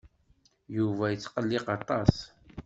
Yuba yetqelliq aṭas.